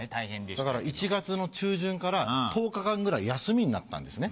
だから１月の中旬から１０日間ぐらい休みになったんですね。